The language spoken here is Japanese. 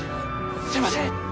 すみません！